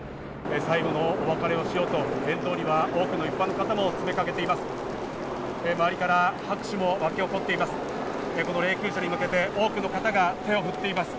最後のお別れをしようと前方には多くの一般の方も詰めかけています。